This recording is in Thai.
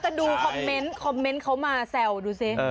แต่ดูคอมเม้นต์เขามาแซวดูสิ